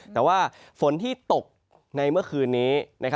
แต่ว่าฝนที่ตกในเมื่อคืนนี้